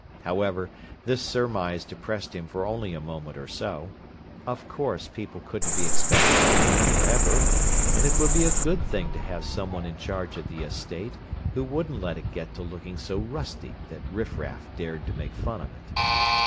However, this surmise depressed him for only a moment or so. Of course, people couldn't be expected to live forever, and it would be a good thing to have someone in charge of the Estate who wouldn't let it get to looking so rusty that riffraff dared to make fun of it.